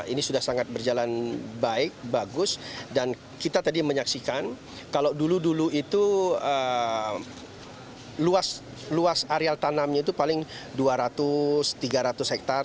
ini sudah sangat berjalan baik bagus dan kita tadi menyaksikan kalau dulu dulu itu luas areal tanamnya itu paling dua ratus tiga ratus hektare